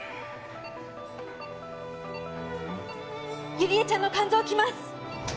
ゆりえちゃんの肝臓来ます。